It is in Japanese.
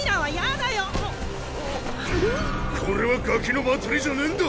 これはガキの祭りじゃねぇんだ。